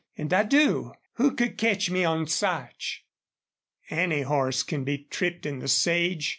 And I do. Who could catch me on Sarch?" "Any horse can be tripped in the sage.